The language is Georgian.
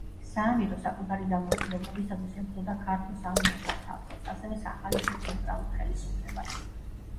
საამირო საკუთარი დამოუკიდებლობისათვის ებრძოდა ქართულ სამეფო-სამთავროებს, ასევე სახალიფოს ცენტრალურ ხელისუფლებას.